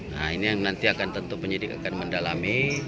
nah ini yang nanti akan tentu penyidik akan mendalami